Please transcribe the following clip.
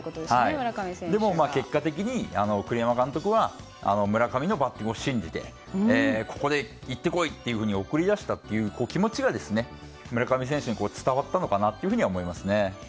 でも、結果的に栗山監督は村上のバッティングを信じてここで行って来い！と送り出した気持ちが村上選手に伝わったのかなと思いますね。